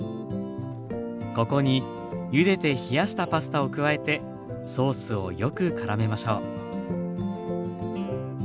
ここにゆでて冷やしたパスタを加えてソースをよくからめましょう。